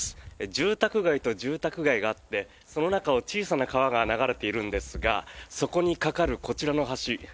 住宅街と住宅街があってその中を小さな川が流れているんですがそこに架かるこちらの橋